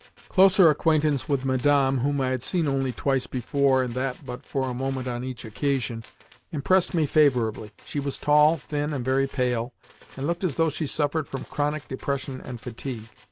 Closer acquaintance with Madame (whom I had seen only twice before, and that but for a moment on each occasion) impressed me favourably. She was tall, thin, and very pale, and looked as though she suffered from chronic depression and fatigue.